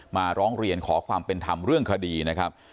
มาร้องเรียนขอความเป็นธรรมเรื่องคดีนะครับ